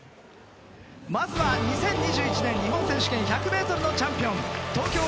まずは２０２１年日本選手権１００ｍのチャンピオン。